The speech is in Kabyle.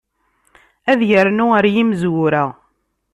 Ad yernu ɣer yimezwura.